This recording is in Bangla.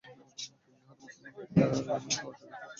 নিহত মুসলমান এমন সহজ মৃত্যুর উপযোগী ছিল না।